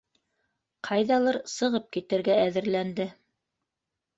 Ҡайҙалыр сығып китергә әҙерләнде.